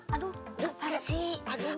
aduh apa sih